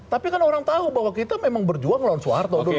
tapi kan orang tahu bahwa kita memang berjuang melawan soeharto dulu